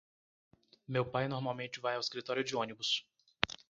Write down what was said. Meu pai normalmente vai ao escritório de ônibus.